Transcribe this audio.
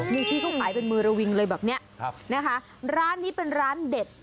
นี่พี่เขาขายเป็นมือระวิงเลยแบบเนี้ยครับนะคะร้านนี้เป็นร้านเด็ด